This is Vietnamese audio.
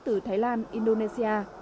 từ thái lan indonesia